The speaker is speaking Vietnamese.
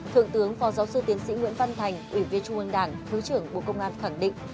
thượng tướng phó giáo sư tiến sĩ nguyễn văn thành ủy viên trung ương đảng thứ trưởng bộ công an khẳng định